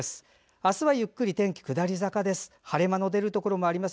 明日はゆっくり天気下り坂です。